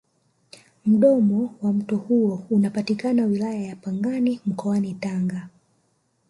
mdomo wa mto huo unapatikana wilaya ya pangani mkoani tanga